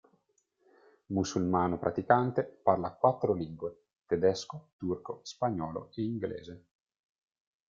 Musulmano praticante, parla quattro lingue: tedesco, turco, spagnolo e inglese.